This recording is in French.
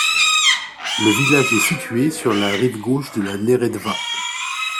Le village est situé sur la rive gauche de la Neretva.